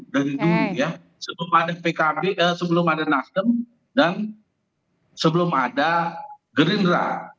dari dulu ya sebelum ada nasdem dan sebelum ada gerindra